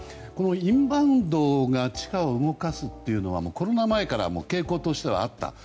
インバウンドが地価を動かすというのはコロナ前から傾向としてはあった。